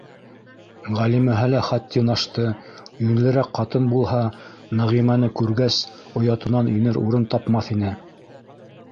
Ғәлимәһе лә хаттин ашты, йүнлерәк ҡатын булһа, Нәғимәне күргәс оятынан инер урын тапмаҫ ине.